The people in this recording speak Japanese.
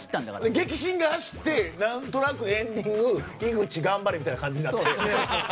激震が走って、エンディング井口頑張れみたいな感じになって。